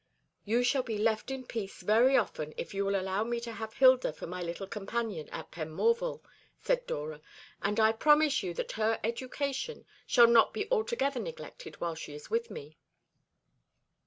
"You shall be left in peace very often, if you will allow me to have Hilda for my little companion at Penmorval," said Dora. "And I promise you that her education shall not be altogether neglected while she is with me."